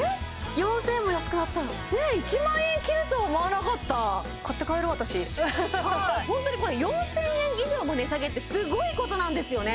４０００も安くなったねっ１万円切ると思わなかった買って帰ろう私ホントにこれ４０００円以上の値下げってすごいことなんですよね